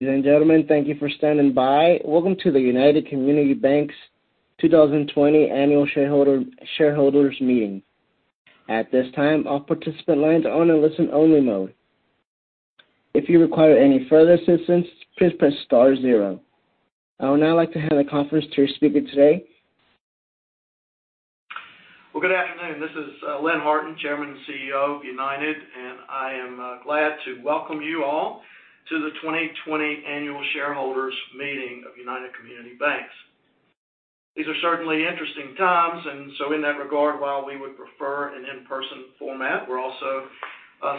Ladies and gentlemen, thank you for standing by. Welcome to the United Community Banks 2020 annual shareholders meeting. At this time, all participant lines are on a listen-only mode. If you require any further assistance, please press star zero. I would now like to hand the conference to your speaker today. Well, good afternoon. This is Lynn Harton, Chairman and CEO of United, I am glad to welcome you all to the 2020 annual shareholders meeting of United Community Banks. These are certainly interesting times, in that regard, while we would prefer an in-person format, we're also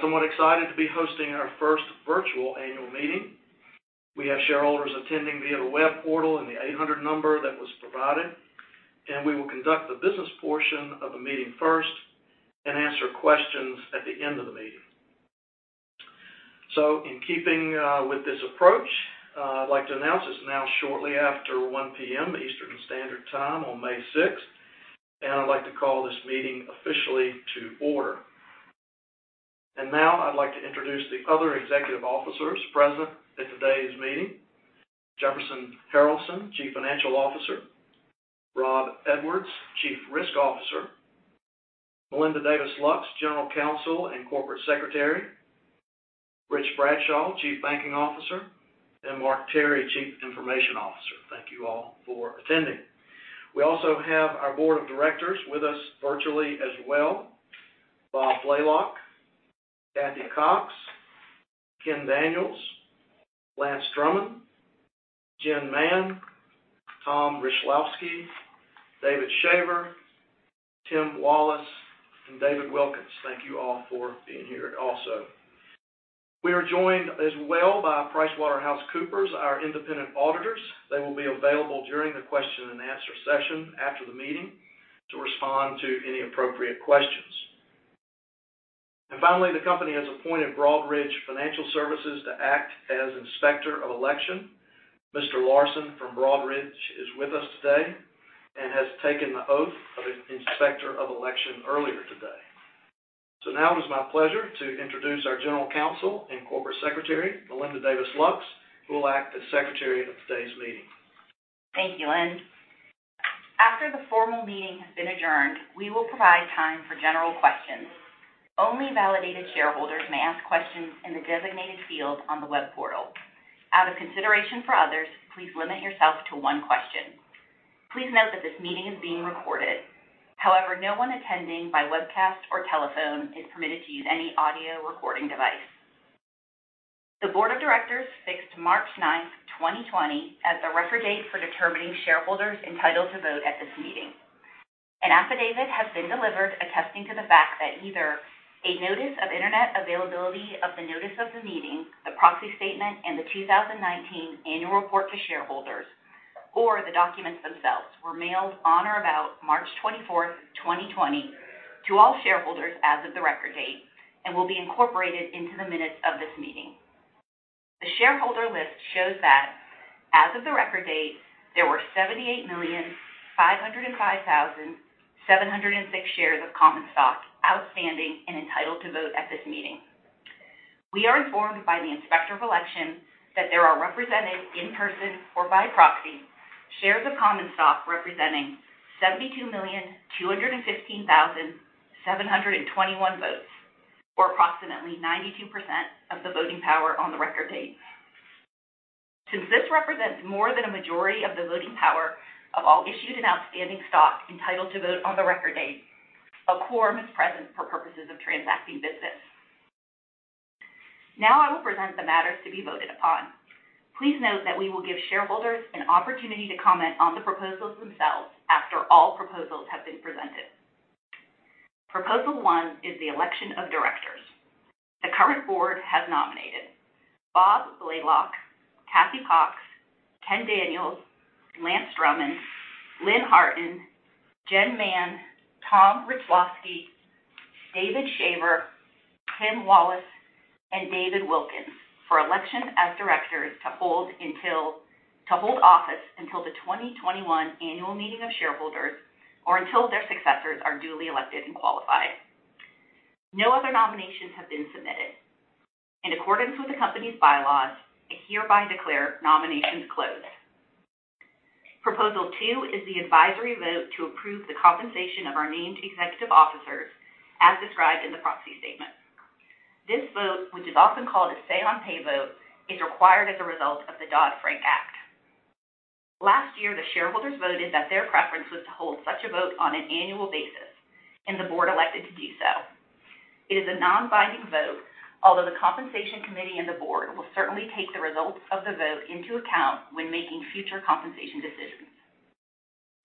somewhat excited to be hosting our first virtual annual meeting. We have shareholders attending via the web portal and the 800 number that was provided, we will conduct the business portion of the meeting first and answer questions at the end of the meeting. In keeping with this approach, I'd like to announce it's now shortly after 1:00 P.M. Eastern Standard Time on May 6th, I'd like to call this meeting officially to order. Now I'd like to introduce the other executive officers present at today's meeting. Jefferson Harralson, Chief Financial Officer, Rob Edwards, Chief Risk Officer, Melinda Davis Lux, General Counsel and Corporate Secretary, Rich Bradshaw, Chief Banking Officer, and Mark Terry, Chief Information Officer. Thank you all for attending. We also have our Board of Directors with us virtually as well, Bob Blalock, Kathy Cox, Ken Daniels, Lance Drummond, Jen Mann, Thomas Richlovsky, David Shaver, Tim Wallis, and David Wilkins. Thank you all for being here also. We are joined as well by PricewaterhouseCoopers, our independent auditors. They will be available during the question and answer session after the meeting to respond to any appropriate questions. Finally, the company has appointed Broadridge Financial Solutions to act as Inspector of Election. Mr. Larson from Broadridge is with us today and has taken the oath of Inspector of Election earlier today. Now it is my pleasure to introduce our General Counsel and Corporate Secretary, Melinda Davis Lux, who will act as Secretary of today's meeting. Thank you, Lynn. After the formal meeting has been adjourned, we will provide time for general questions. Only validated shareholders may ask questions in the designated field on the web portal. Out of consideration for others, please limit yourself to one question. Please note that this meeting is being recorded. However, no one attending by webcast or telephone is permitted to use any audio recording device. The board of directors fixed March 9th, 2020, as the record date for determining shareholders entitled to vote at this meeting. An affidavit has been delivered attesting to the fact that either a notice of Internet availability of the notice of the meeting, the proxy statement, and the 2019 annual report to shareholders, or the documents themselves were mailed on or about March 24th, 2020, to all shareholders as of the record date and will be incorporated into the minutes of this meeting. The shareholder list shows that as of the record date, there were 78,505,706 shares of common stock outstanding and entitled to vote at this meeting. We are informed by the Inspector of Election that there are represented in person or by proxy shares of common stock representing 72,215,721 votes, or approximately 92% of the voting power on the record date. Since this represents more than a majority of the voting power of all issued and outstanding stock entitled to vote on the record date, a quorum is present for purposes of transacting business. Now I will present the matters to be voted upon. Please note that we will give shareholders an opportunity to comment on the proposals themselves after all proposals have been presented. Proposal one is the election of directors. The current board has nominated Bob Blalock, Kathy Cox, Ken Daniels, Lance Drummond, Lynn Harton, Jen Mann, Thomas A. Richlovsky, David Shaver, Tim Wallis, and David Wilkins for election as directors to hold office until the 2021 annual meeting of shareholders, or until their successors are duly elected and qualified. No other nominations have been submitted. In accordance with the company's bylaws, I hereby declare nominations closed. Proposal two is the advisory vote to approve the compensation of our named executive officers as described in the proxy statement. This vote, which is also called a say-on-pay vote, is required as a result of the Dodd-Frank Act. Last year, the shareholders voted that their preference was to hold such a vote on an annual basis, and the board elected to do so. It is a non-binding vote, although the Compensation Committee and the board will certainly take the results of the vote into account when making future compensation decisions.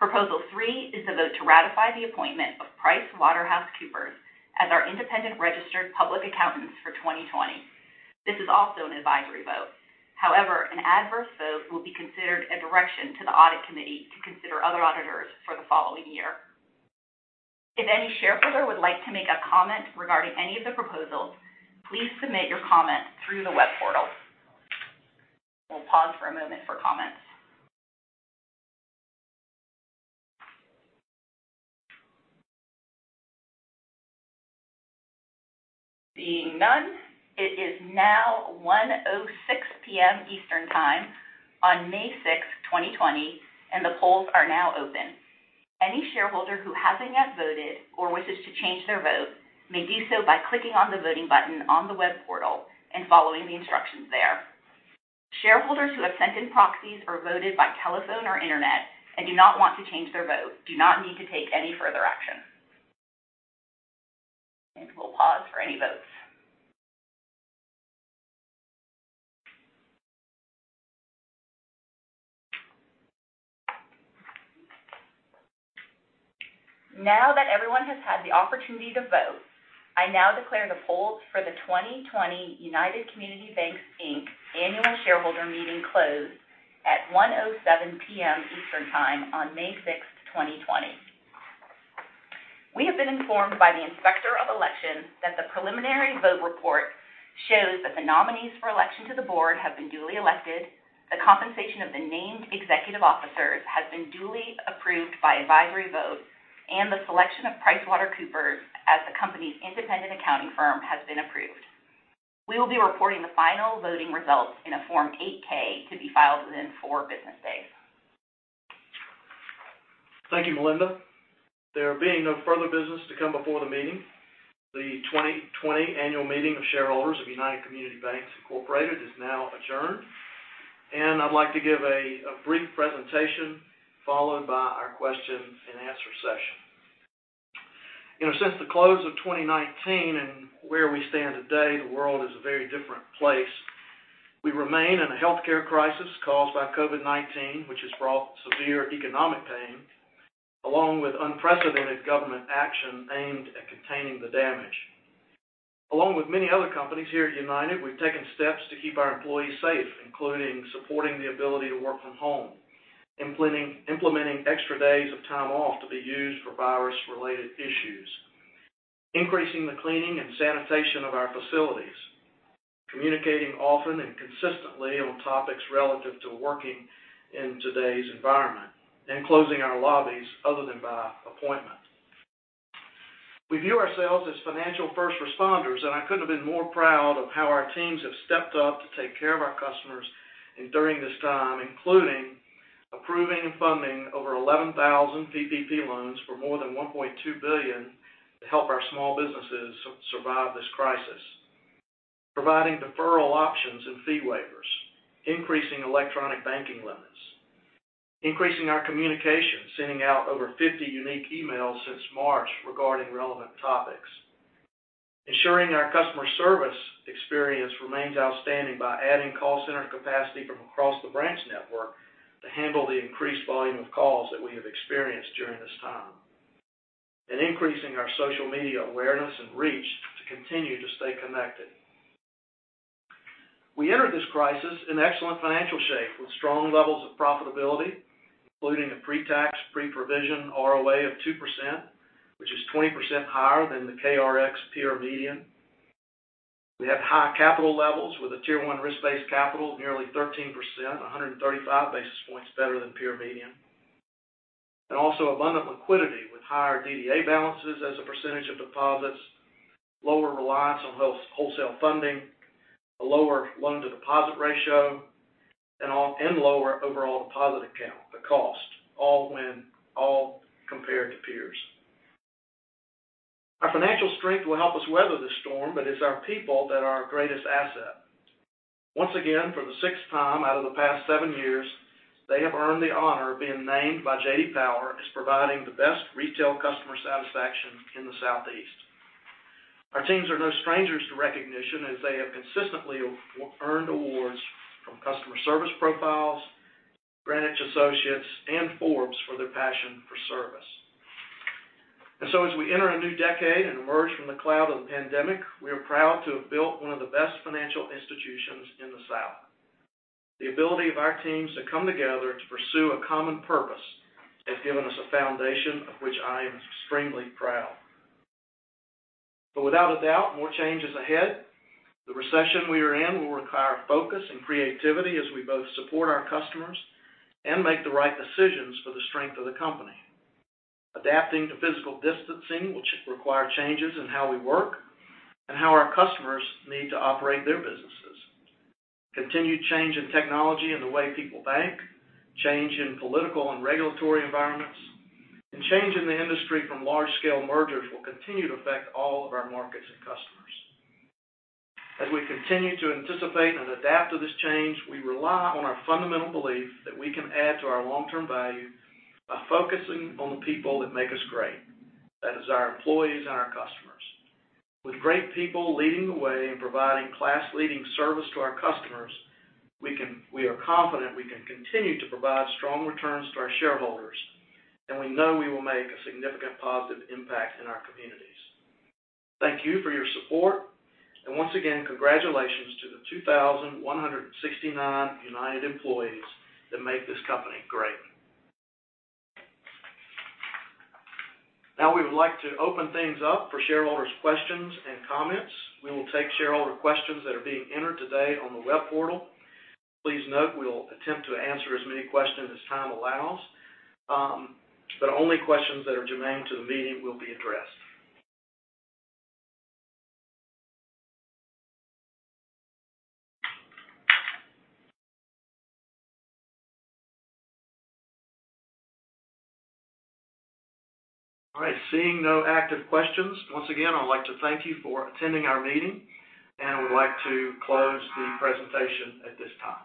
Proposal three is the vote to ratify the appointment of PricewaterhouseCoopers as our independent registered public accountants for 2020. This is also an advisory vote. An adverse vote will be considered a direction to the Audit Committee to consider other auditors for the following year. If any shareholder would like to make a comment regarding any of the proposals, please submit your comment through the web portal. We'll pause for a moment for comments. Seeing none, it is now 1:06 P.M. Eastern Time on May 6th, 2020, and the polls are now open. Any shareholder who hasn't yet voted or wishes to change their vote may do so by clicking on the voting button on the web portal and following the instructions there. Shareholders who have sent in proxies or voted by telephone or internet and do not want to change their vote do not need to take any further action. We'll pause for any votes. Now that everyone has had the opportunity to vote, I now declare the polls for the 2020 United Community Banks Inc. annual shareholder meeting closed at 1:07 P.M. Eastern Time on May 6, 2020. We have been informed by the Inspector of Elections that the preliminary vote report shows that the nominees for election to the board have been duly elected, the compensation of the named executive officers has been duly approved by advisory vote, and the selection of PricewaterhouseCoopers as the company's independent accounting firm has been approved. We will be reporting the final voting results in a Form 8-K to be filed within four business days. Thank you, Melinda. There being no further business to come before the meeting, the 2020 annual meeting of shareholders of United Community Banks Incorporated is now adjourned. I'd like to give a brief presentation, followed by our question and answer session. Since the close of 2019 and where we stand today, the world is a very different place. We remain in a healthcare crisis caused by COVID-19, which has brought severe economic pain, along with unprecedented government action aimed at containing the damage. Along with many other companies, here at United, we've taken steps to keep our employees safe, including supporting the ability to work from home, implementing extra days of time off to be used for virus-related issues, increasing the cleaning and sanitation of our facilities, communicating often and consistently on topics relative to working in today's environment, and closing our lobbies other than by appointment. We view ourselves as financial first responders. I couldn't have been more proud of how our teams have stepped up to take care of our customers during this time, including approving and funding over 11,000 PPP loans for more than $1.2 billion to help our small businesses survive this crisis, providing deferral options and fee waivers, increasing electronic banking limits, increasing our communication, sending out over 50 unique emails since March regarding relevant topics, ensuring our customer service experience remains outstanding by adding call center capacity from across the branch network to handle the increased volume of calls that we have experienced during this time, and increasing our social media awareness and reach to continue to stay connected. We entered this crisis in excellent financial shape with strong levels of profitability, including a pre-tax, pre-provision ROA of 2%, which is 20% higher than the KRX peer median. We have high capital levels with a Tier one risk-based capital of nearly 13%, 135 basis points better than peer median. Also abundant liquidity with higher DDA balances as a percentage of deposits, lower reliance on wholesale funding, a lower loan-to-deposit ratio, and lower overall deposit account, the cost, all compared to peers. Our financial strength will help us weather this storm, but it's our people that are our greatest asset. Once again, for the sixth time out of the past seven years, they have earned the honor of being named by J.D. Power as providing the best retail customer satisfaction in the Southeast. Our teams are no strangers to recognition, as they have consistently earned awards from Customer Service Profiles, Greenwich Associates, and Forbes for their passion for service. As we enter a new decade and emerge from the cloud of the pandemic, we are proud to have built one of the best financial institutions in the South. The ability of our teams to come together to pursue a common purpose has given us a foundation of which I am extremely proud. Without a doubt, more change is ahead. The recession we are in will require focus and creativity as we both support our customers and make the right decisions for the strength of the company. Adapting to physical distancing will require changes in how we work and how our customers need to operate their businesses. Continued change in technology and the way people bank, change in political and regulatory environments, and change in the industry from large-scale mergers will continue to affect all of our markets and customers. As we continue to anticipate and adapt to this change, we rely on our fundamental belief that we can add to our long-term value by focusing on the people that make us great. That is our employees and our customers. With great people leading the way and providing class-leading service to our customers, we are confident we can continue to provide strong returns to our shareholders, and we know we will make a significant positive impact in our communities. Thank you for your support, and once again, congratulations to the 2,169 United employees that make this company great. We would like to open things up for shareholders' questions and comments. We will take shareholder questions that are being entered today on the web portal. Please note we will attempt to answer as many questions as time allows, but only questions that are germane to the meeting will be addressed. All right, seeing no active questions, once again, I would like to thank you for attending our meeting, and we'd like to close the presentation at this time.